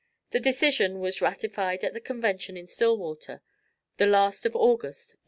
This decision was ratified at the convention in Stillwater, the last of August 1848.